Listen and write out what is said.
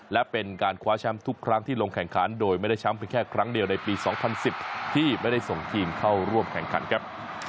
และเป็นการคว้าแชมป์ทุกครั้งที่ลงแข่งขันโดยไม่ได้แชมป์เป็นแค่ครั้งเดียวในปี๒๐๑๐ที่ไม่ได้ส่งทีมเข้าร่วมแข่งขันครับ